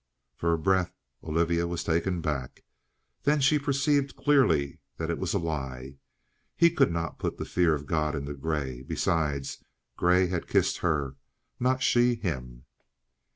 For a breath Olivia was taken aback. Then she perceived clearly that it was a lie. He could not put the fear of God into Grey. Besides, Grey had kissed her, not she him.